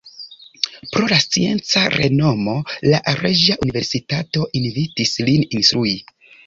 Pro la scienca renomo la Reĝa Universitato invitis lin instrui.